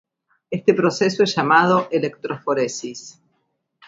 Este proceso es llamado electroforesis